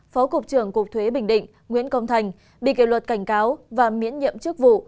phó cục trưởng cục thuế bình định nguyễn công thành bị kỷ luật cảnh cáo và miễn nhiệm chức vụ